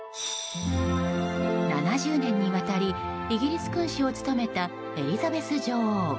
７０年にわたりイギリス君主を務めたエリザベス女王。